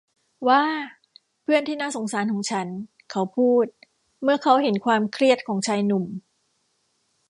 ว้า เพื่อนที่น่าสงสารของฉัน เขาพูด เมื่อเค้าเห็นความเครียดของชายหนุ่ม